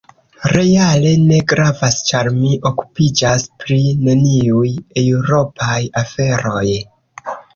Reale ne gravas ĉar mi okupiĝas pri neniuj eŭropaj aferoj.